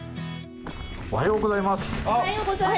おはようございます。